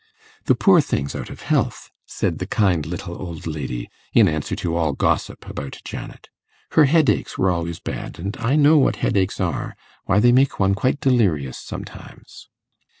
'The poor thing's out of health,' said the kind little old lady, in answer to all gossip about Janet; 'her headaches always were bad, and I know what headaches are; why, they make one quite delirious sometimes.